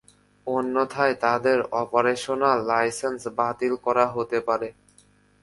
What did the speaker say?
অন্যথায় তাদের operational licence বাতিল করা হতে পারে।